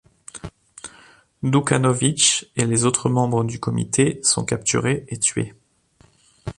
Đukanović et les autres membres du comité sont capturés et tués.